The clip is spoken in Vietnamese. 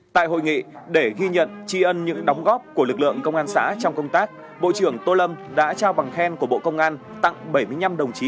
tại hội nghị để ghi nhận tri ân những đóng góp của lực lượng công an xã trong công tác bộ trưởng tô lâm đã trao bằng khen của bộ công an tặng bảy mươi năm đồng chí